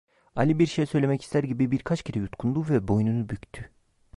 Ali bir şey söylemek ister gibi birkaç kere yutkundu ve boynunu büktü.